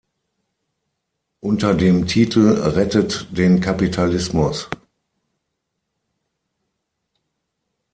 Unter dem Titel "Rettet den Kapitalismus!